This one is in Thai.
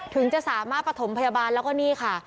ถึงจะสามารถประถมพยาบาลแล้วก็นี่ค่ะ